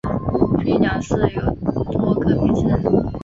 飞鸟寺有很多个名称。